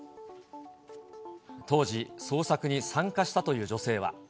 当時、捜索に参加したという女性は。